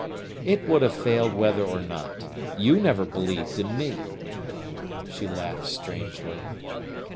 "It would have failed whether or not. You never believed in me." She laughed strangely.